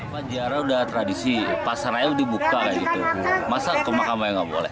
berziarah udah tradisi pasarnya dibuka gitu masa ke makam aja nggak boleh